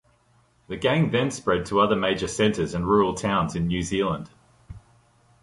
The gang then spread to other major centres and rural towns in New Zealand.